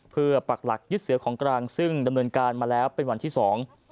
เพื่อปักหลักยึดเสือของกลางซึ่งดำเนินการมาแล้วเป็นวันที่สอง